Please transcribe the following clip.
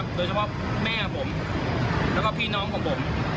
โดยเฉพาะแม่ผมแล้วก็พี่น้องของผม